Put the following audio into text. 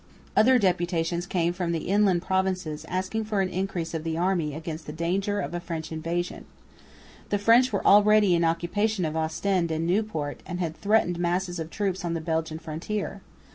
Other deputations came from the inland provinces, asking for an increase of the army against the danger of a French invasion. The French were already in occupation of Ostend and Nieuport, and had threatening masses of troops on the Belgian frontier.